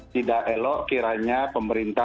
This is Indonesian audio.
tidak elok kiranya pemerintah